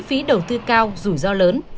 chi phí đầu tư cao rủi ro lớn